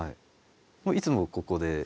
いつもここで？